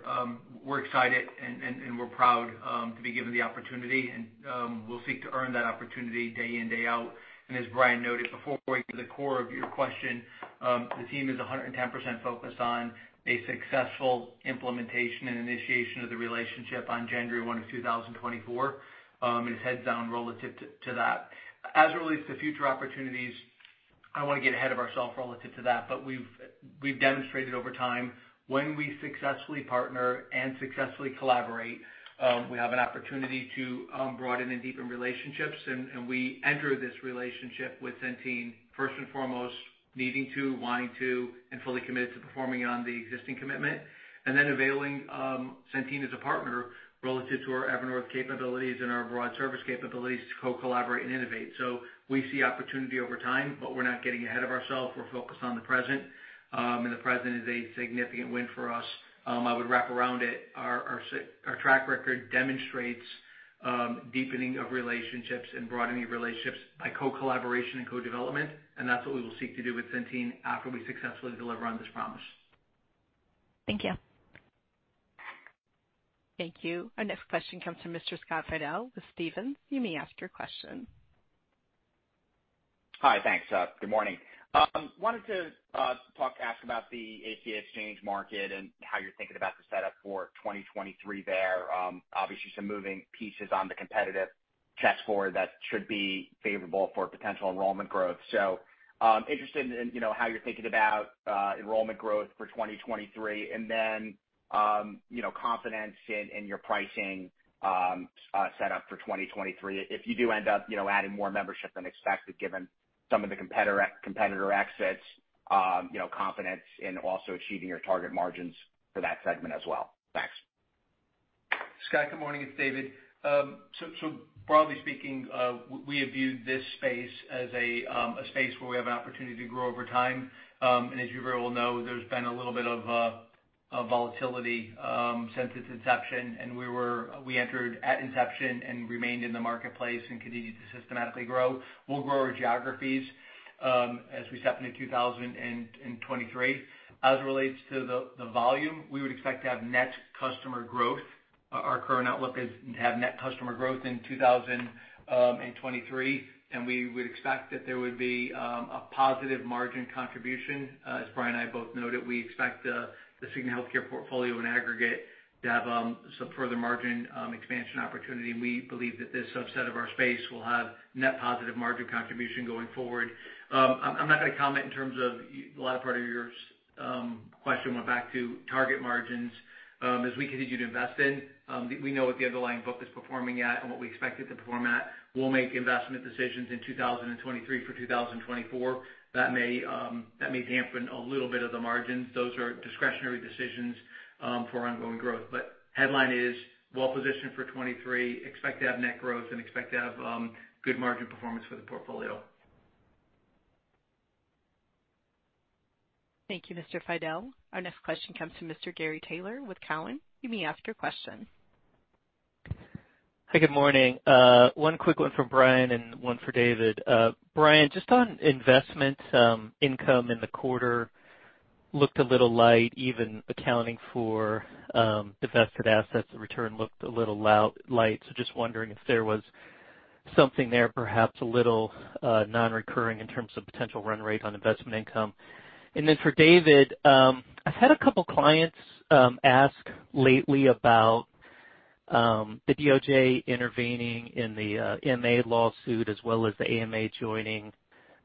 we're excited and we're proud to be given the opportunity and we'll seek to earn that opportunity day in, day out. As Brian noted, before we get to the core of your question, the team is 110% focused on a successful implementation and initiation of the relationship on 1 January 2024, and is heads down relative to that. As it relates to future opportunities, I don't wanna get ahead of ourselves relative to that, but we've demonstrated over time, when we successfully partner and successfully collaborate, we have an opportunity to broaden and deepen relationships. We enter this relationship with Centene first and foremost, needing to, wanting to, and fully committed to performing on the existing commitment. Then availing Centene as a partner relative to our Evernorth capabilities and our broad service capabilities to co-collaborate and innovate. We see opportunity over time, but we're not getting ahead of ourself. We're focused on the present, and the present is a significant win for us. I would wrap around it, our track record demonstrates deepening of relationships and broadening of relationships by co-collaboration and co-development, and that's what we will seek to do with Centene after we successfully deliver on this promise. Thank you. Thank you. Our next question comes from Mr. Scott Fidel with Stephens. You may ask your question. Hi. Thanks. Good morning. Wanted to ask about the ACA Exchange market and how you're thinking about the setup for 2023 there. Obviously some moving pieces on the competitive chessboard that should be favorable for potential enrollment growth. Interested in, you know, how you're thinking about enrollment growth for 2023, and then, you know, confidence in your pricing setup for 2023. If you do end up, you know, adding more membership than expected given some of the competitor exits, you know, confidence in also achieving your target margins for that segment as well. Thanks. Scott, good morning. It's David. Broadly speaking, we have viewed this space as a space where we have an opportunity to grow over time. As you very well know, there's been a little bit of volatility since its inception, and we entered at inception and remained in the marketplace and continued to systematically grow. We'll grow our geographies as we step into 2023. As it relates to the volume, we would expect to have net customer growth. Our current outlook is to have net customer growth in 2023, and we would expect that there would be a positive margin contribution. As Brian and I both noted, we expect the Cigna Healthcare portfolio in aggregate to have some further margin expansion opportunity, and we believe that this subset of our space will have net positive margin contribution going forward. I'm not gonna comment in terms of the latter part of your question went back to target margins. As we continue to invest in, we know what the underlying book is performing at and what we expect it to perform at. We'll make investment decisions in 2023 for 2024. That may dampen a little bit of the margins. Those are discretionary decisions for ongoing growth. Headline is well-positioned for 2023. Expect to have net growth and good margin performance for the portfolio. Thank you, Mr. Fidel. Our next question comes from Mr. Gary Taylor with Cowen. You may ask your question. Hi, good morning. One quick one for Brian and one for David. Brian, just on investment income in the quarter looked a little light, even accounting for divested assets, the return looked a little light, so just wondering if there was something there, perhaps a little non-recurring in terms of potential run rate on investment income. For David, I've had a couple clients ask lately about the DOJ intervening in the AMA lawsuit as well as the AMA joining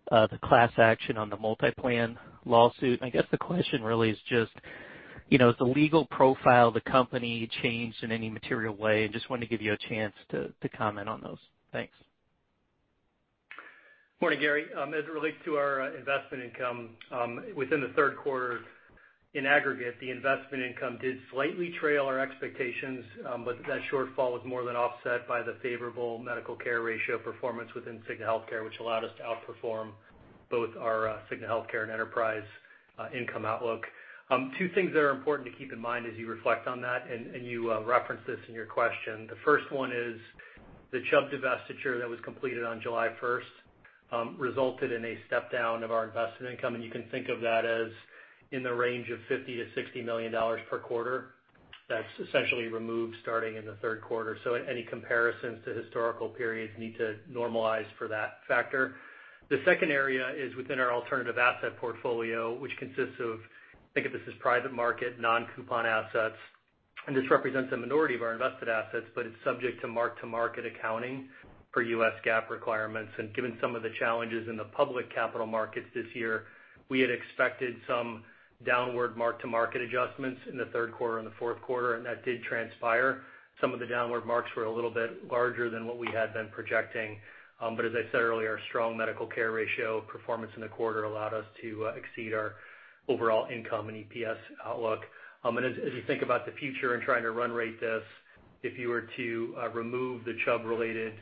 the class action on the MultiPlan lawsuit. I guess the question really is just, you know, has the legal profile of the company changed in any material way? Just wanted to give you a chance to comment on those. Thanks. Morning, Gary. As it relates to our investment income, within the Q3, in aggregate, the investment income did slightly trail our expectations, but that shortfall was more than offset by the favorable medical care ratio performance within Cigna Healthcare, which allowed us to outperform both our Cigna Healthcare and Enterprise income outlook. Two things that are important to keep in mind as you reflect on that, and you referenced this in your question. The first one is the Chubb divestiture that was completed on July first resulted in a step down of our investment income, and you can think of that as in the range of $50-$60 million per quarter. That's essentially removed starting in the Q3. Any comparisons to historical periods need to normalize for that factor. The second area is within our alternative asset portfolio, which consists of, think of this as private market, non-coupon assets. This represents a minority of our invested assets, but it's subject to mark-to-market accounting per U.S. GAAP requirements. Given some of the challenges in the public capital markets this year, we had expected some downward mark-to-market adjustments in the Q3 and the Q4, and that did transpire. Some of the downward marks were a little bit larger than what we had been projecting, but as I said earlier, our strong medical care ratio performance in the quarter allowed us to exceed our overall income and EPS outlook. As you think about the future and trying to run rate this, if you were to remove the Chubb-related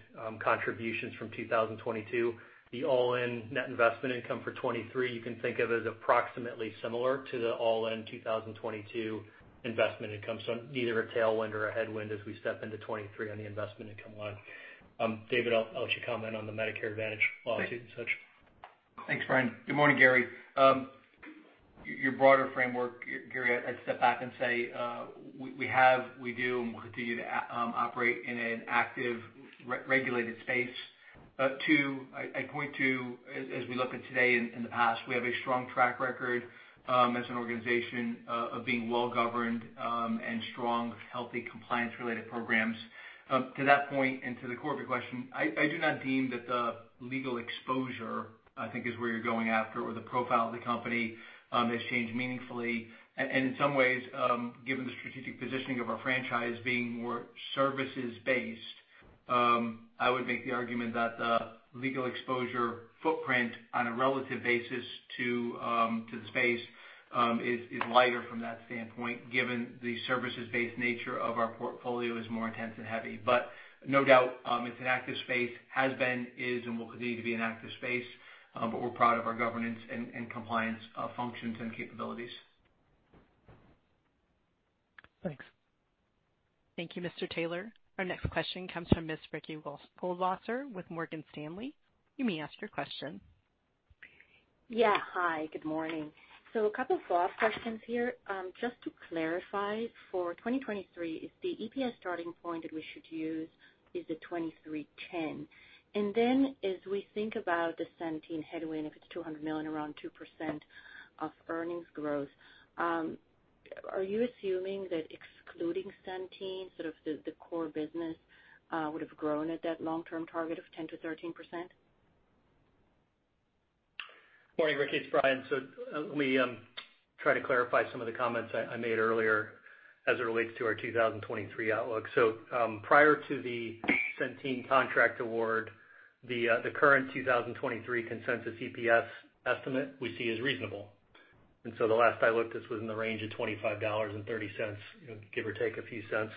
contributions from 2022, the all-in net investment income for 2023 you can think of as approximately similar to the all-in 2022 investment income. Neither a tailwind or a headwind as we step into 2023 on the investment income line. David, I'll let you comment on the Medicare Advantage lawsuit and such. Thanks. Thanks, Brian. Good morning, Gary. Your broader framework, Gary, I'd step back and say, we have, we do, and we'll continue to operate in an actively regulated space. Too, I point to, as we look at today and in the past, we have a strong track record as an organization of being well-governed and strong, healthy compliance-related programs. To that point and to the core of your question, I do not deem that the legal exposure, I think, is where you're going after, or the profile of the company has changed meaningfully. In some ways, given the strategic positioning of our franchise being more services-based, I would make the argument that the legal exposure footprint on a relative basis to the space is lighter from that standpoint given the services-based nature of our portfolio is more intense and heavy. No doubt, it's an active space, has been, is, and will continue to be an active space, but we're proud of our governance and compliance functions and capabilities. Thanks. Thank you, Mr. Taylor. Our next question comes from Ms. Ricky Goldwasser with Morgan Stanley. You may ask your question. Yeah, hi. Good morning. A couple follow-up questions here. Just to clarify, for 2023, is the EPS starting point that we should use $23.10? Then as we think about the Centene headwind, if it's $200 million, around 2% of earnings growth, are you assuming that excluding Centene, sort of the core business, would have grown at that long-term target of 10%-13%? Morning, Ricky, it's Brian. Let me try to clarify some of the comments I made earlier as it relates to our 2023 outlook. Prior to the Centene contract award, the current 2023 consensus EPS estimate we see is reasonable. The last I looked, this was in the range of $25.30, you know, give or take a few cents.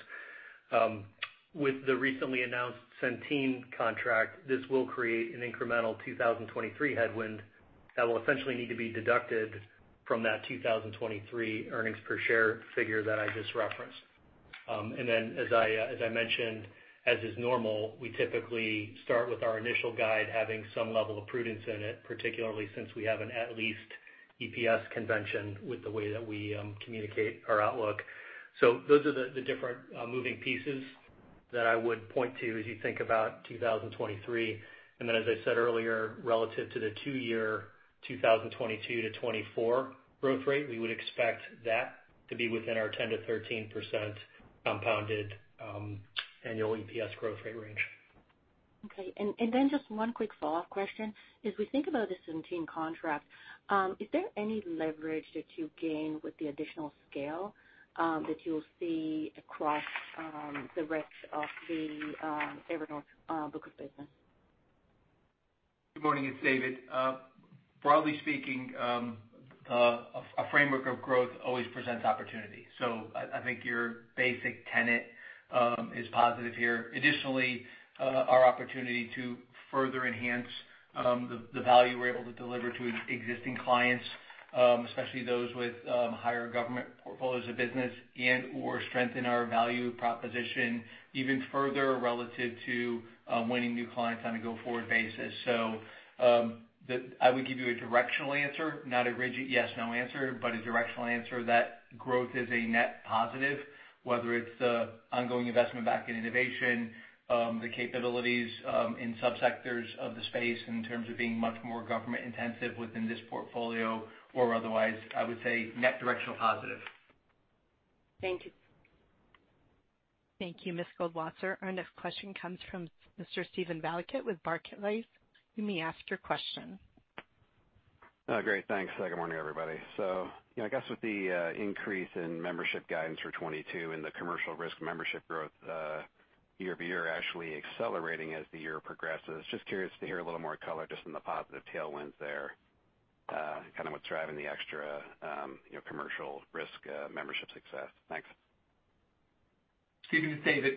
With the recently announced Centene contract, this will create an incremental 2023 headwind that will essentially need to be deducted from that 2023 earnings per share figure that I just referenced. As I mentioned, as is normal, we typically start with our initial guide having some level of prudence in it, particularly since we have an at least EPS convention with the way that we communicate our outlook. Those are the different moving pieces that I would point to as you think about 2023. As I said earlier, relative to the two-year 2022 to 2024 growth rate, we would expect that to be within our 10%-13% compounded annual EPS growth rate range. Okay. Just one quick follow-up question. As we think about the Centene contract, is there any leverage that you gain with the additional scale that you'll see across the rest of the Evernorth book of business? Good morning. It's David. Broadly speaking, a framework of growth always presents opportunity. I think your basic tenet is positive here. Additionally, our opportunity to further enhance the value we're able to deliver to existing clients, especially those with higher government portfolios of business and/or strengthen our value proposition even further relative to winning new clients on a go-forward basis. I would give you a directional answer, not a rigid yes, no answer, but a directional answer that growth is a net positive, whether it's the ongoing investment back in innovation, the capabilities in subsectors of the space in terms of being much more government-intensive within this portfolio or otherwise. I would say net directional positive. Thank you. Thank you, Ms. Goldwasser. Our next question comes from Mr. Steven Valiquette with Barclays. You may ask your question. Great. Thanks. Good morning, everybody. You know, I guess with the increase in membership guidance for 2022 and the commercial risk membership growth, year-over-year actually accelerating as the year progresses, just curious to hear a little more color just on the positive tailwinds there, kind of what's driving the extra, you know, commercial risk membership success? Thanks. Steven, it's David.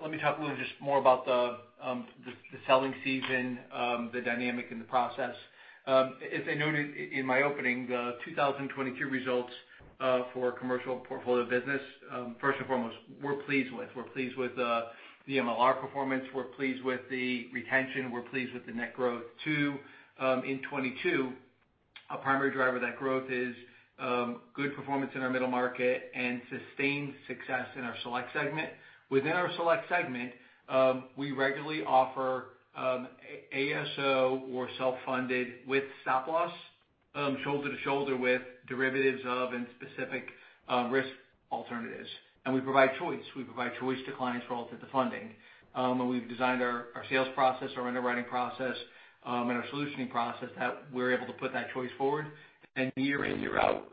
Let me talk a little more about the selling season, the dynamic and the process. As I noted in my opening, the 2022 results for commercial portfolio business, first and foremost, we're pleased with the MLR performance. We're pleased with the retention. We're pleased with the net growth, too, in 2022. A primary driver of that growth is good performance in our middle market and sustained success in our select segment. Within our select segment, we regularly offer ASO or self-funded with stop-loss, shoulder to shoulder with derivatives and specific risk alternatives. We provide choice. We provide choice to clients relative to funding. We've designed our sales process, our underwriting process, and our solutioning process that we're able to put that choice forward. Year in, year out,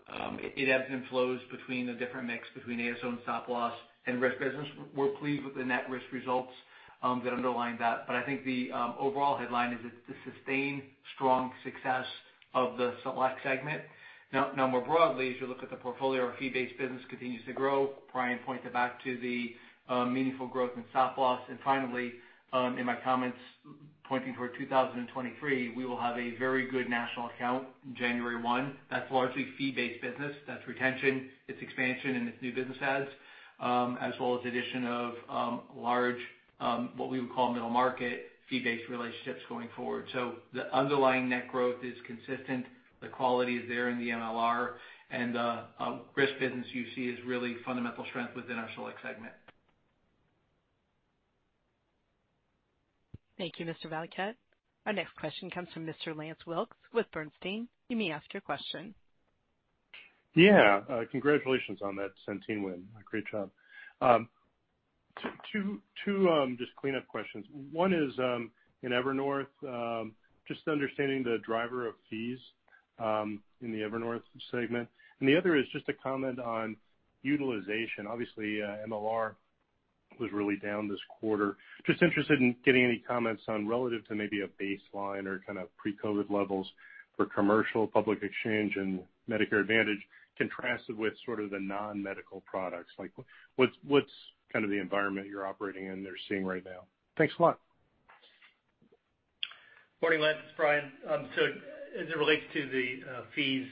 it ebbs and flows between the different mix between ASO and stop-loss and risk business. We're pleased with the net risk results that underline that. But I think the overall headline is the sustained strong success of the select segment. Now more broadly, as you look at the portfolio, our fee-based business continues to grow. Brian pointed back to the meaningful growth in stop-loss. Finally, in my comments pointing toward 2023, we will have a very good national account 1 January. That's largely fee-based business. That's retention, it's expansion, and it's new business adds, as well as addition of, large, what we would call middle market fee-based relationships going forward. So the underlying net growth is consistent. The quality is there in the MLR. Risk business you see is really fundamental strength within our select segment. Thank you, Mr. Valiquette. Our next question comes from Mr. Lance Wilkes with Bernstein. You may ask your question. Yeah. Congratulations on that Centene win. A great job. Two just cleanup questions. One is, in Evernorth, just understanding the driver of fees, in the Evernorth segment. And the other is just a comment on utilization. Obviously, MLR was really down this quarter. Just interested in getting any comments on relative to maybe a baseline or kind of pre-COVID levels for commercial public exchange and Medicare Advantage contrasted with sort of the non-medical products. Like, what's kind of the environment you're operating in there seeing right now? Thanks a lot. Morning, Lance. It's Brian. As it relates to the fees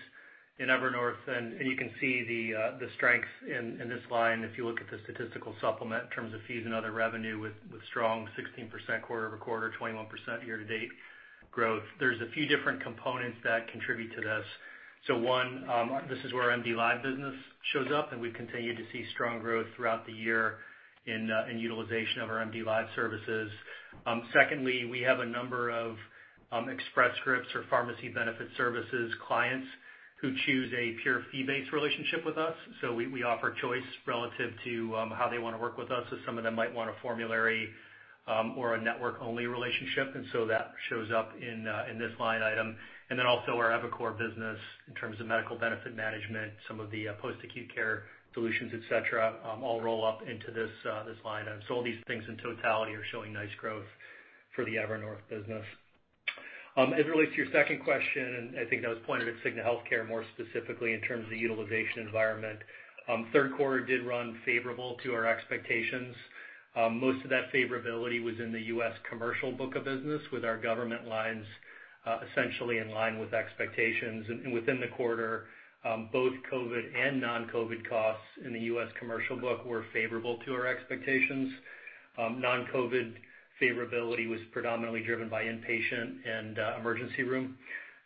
in Evernorth, and you can see the strength in this line if you look at the statistical supplement in terms of fees and other revenue with strong 16% quarter-over-quarter, 21% year-to-date growth. There's a few different components that contribute to this. One, this is where our MDLIVE business shows up, and we continue to see strong growth throughout the year in utilization of our MDLIVE services. Secondly, we have a number of Express Scripts or pharmacy benefit services clients who choose a pure fee-based relationship with us. We offer choice relative to how they wanna work with us, as some of them might want a formulary or a network-only relationship, and that shows up in this line item. Our eviCore business in terms of medical benefit management, some of the post-acute care solutions, et cetera, all roll up into this line item. All these things in totality are showing nice growth for the Evernorth business. As it relates to your second question, I think that was pointed at Cigna Healthcare more specifically in terms of the utilization environment, the Q3 did run favorable to our expectations. Most of that favorability was in the U.S. commercial book of business with our government lines essentially in line with expectations. Within the quarter, both COVID and non-COVID costs in the U.S. commercial book were favorable to our expectations. Non-COVID favorability was predominantly driven by inpatient and emergency room.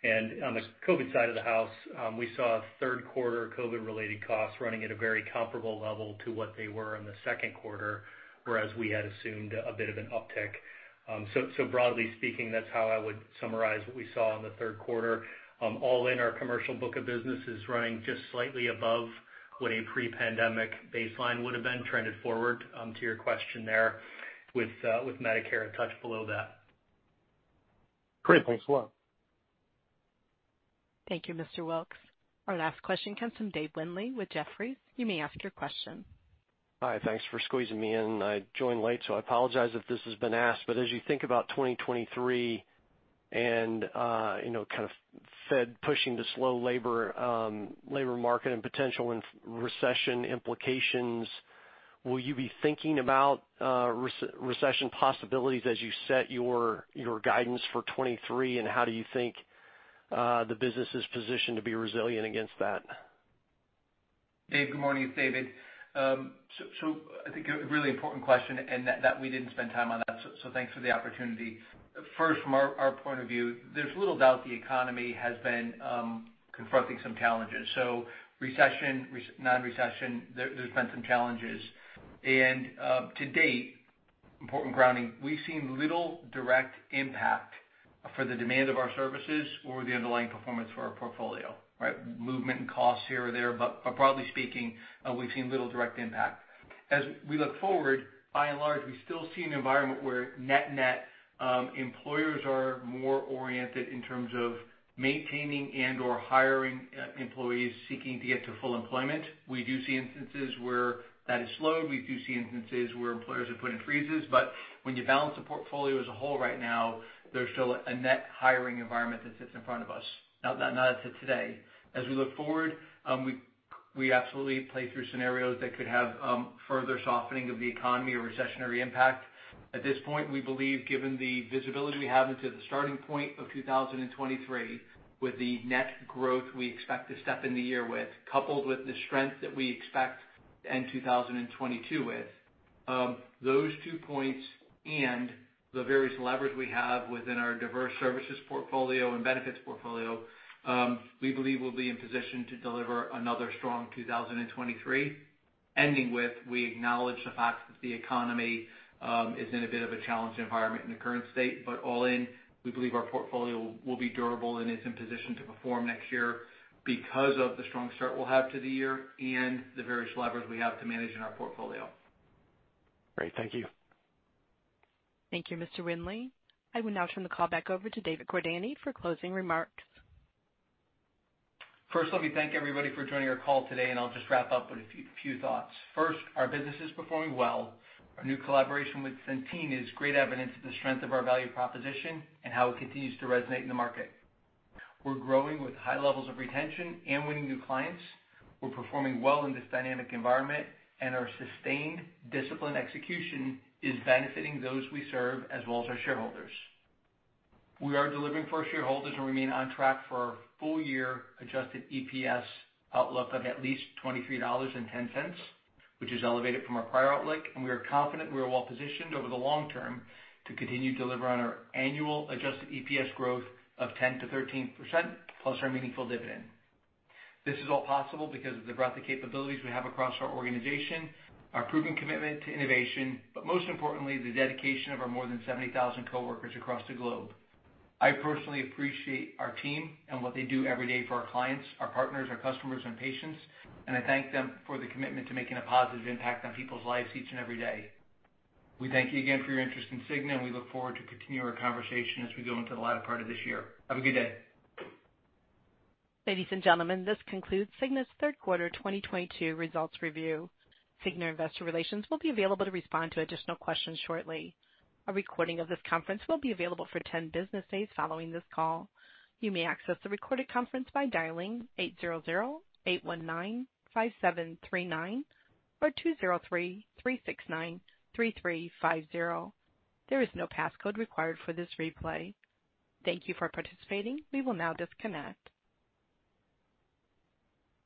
On the COVID side of the house, we saw Q3 COVID-related costs running at a very comparable level to what they were in the Q2, whereas we had assumed a bit of an uptick. So broadly speaking, that's how I would summarize what we saw in the Q3. All in, our commercial book of business is running just slightly above what a pre-pandemic baseline would have been trended forward, to your question there, with Medicare a touch below that. Great. Thanks a lot. Thank you, Mr. Wilkes. Our last question comes from Dave Windley with Jefferies. You may ask your question. Hi, thanks for squeezing me in. I joined late, so I apologize if this has been asked, but as you think about 2023 and, you know, kind of Fed pushing to slow labor market and potential recession implications, will you be thinking about recession possibilities as you set your guidance for 2023? How do you think the business is positioned to be resilient against that? Dave, good morning. It's David. I think a really important question and that we didn't spend time on that, so thanks for the opportunity. First, from our point of view, there's little doubt the economy has been confronting some challenges. Recession, non-recession, there's been some challenges. To date, important grounding, we've seen little direct impact for the demand of our services or the underlying performance for our portfolio, right? Movement in costs here or there, but broadly speaking, we've seen little direct impact. As we look forward, by and large, we still see an environment where net-net, employers are more oriented in terms of maintaining and/or hiring employees seeking to get to full employment. We do see instances where that has slowed. We do see instances where employers have put in freezes. When you balance the portfolio as a whole right now, there's still a net hiring environment that sits in front of us. Now, not as of today. As we look forward, we absolutely play through scenarios that could have further softening of the economy or recessionary impact. At this point, we believe, given the visibility we have into the starting point of 2023, with the net growth we expect to step in the year with, coupled with the strength that we expect to end 2022 with, those two points and the various levers we have within our diverse services portfolio and benefits portfolio, we believe we'll be in position to deliver another strong 2023. Ending with, we acknowledge the fact that the economy is in a bit of a challenging environment in the current state, but all in, we believe our portfolio will be durable and is in position to perform next year because of the strong start we'll have to the year and the various levers we have to manage in our portfolio. Great. Thank you. Thank you, Mr. Windley. I will now turn the call back over to David Cordani for closing remarks. First, let me thank everybody for joining our call today, and I'll just wrap up with a few thoughts. First, our business is performing well. Our new collaboration with Centene is great evidence of the strength of our value proposition and how it continues to resonate in the market. We're growing with high levels of retention and winning new clients. We're performing well in this dynamic environment, and our sustained, disciplined execution is benefiting those we serve as well as our shareholders. We are delivering for our shareholders and remain on track for our full year adjusted EPS outlook of at least $23.10, which is elevated from our prior outlook, and we are confident we are well positioned over the long term to continue to deliver on our annual adjusted EPS growth of 10%-13% plus our meaningful dividend. This is all possible because of the breadth of capabilities we have across our organization, our proven commitment to innovation, but most importantly, the dedication of our more than 70,000 coworkers across the globe. I personally appreciate our team and what they do every day for our clients, our partners, our customers, and patients, and I thank them for the commitment to making a positive impact on people's lives each and every day. We thank you again for your interest in Cigna, and we look forward to continuing our conversation as we go into the latter part of this year. Have a good day. Ladies and gentlemen, this concludes Cigna's Q3 2022 results review. Cigna Investor Relations will be available to respond to additional questions shortly. A recording of this conference will be available for 10 business days following this call. You may access the recorded conference by dialing 800-819-5739 or 203-369-3350. There is no passcode required for this replay. Thank you for participating. We will now disconnect.